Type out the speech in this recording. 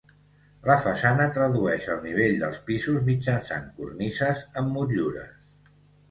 La façana tradueix el nivell dels pisos mitjançant cornises amb motllures.